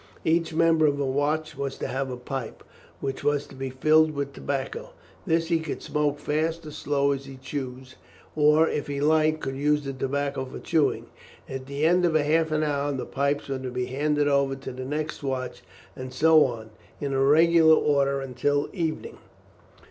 Each member of a watch was to have a pipe, which was to be filled with tobacco. This he could smoke fast or slow as he chose, or, if he liked, could use the tobacco for chewing. At the end of half an hour the pipes were to be handed over to the next watch, and so on in regular order until evening.